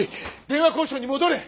電話交渉に戻れ！